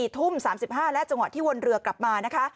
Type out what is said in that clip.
ทุ่ม๓๕และจังหวะที่วนเรือกลับมานะคะ